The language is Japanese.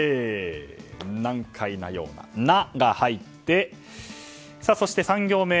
難解？の「ナ」が入ってそして、３行目。